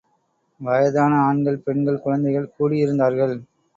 வயதான ஆண்கள், பெண்கள், குழந்தைகள் கூடியிருந்தார்கள்.